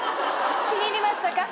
気に入りましたか？